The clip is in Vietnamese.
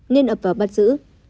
nên ập vào bắt giữ